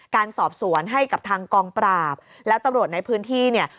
การสอบสวนให้กับทางกองปราบแล้วตำรวจในพื้นที่เนี่ย